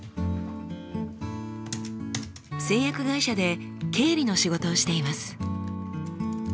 製薬会社で経理の仕事をしています。